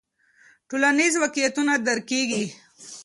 ټولنیز واقعیتونه درک کیږي.